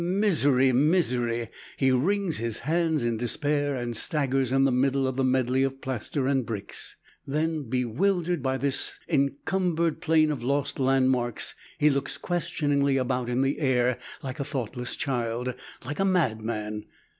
Ah, misery, misery!" He wrings his hands in despair and staggers in the middle of the medley of plaster and bricks. Then, bewildered by this encumbered plain of lost landmarks, he looks questioningly about in the air, like a thoughtless child, like a madman.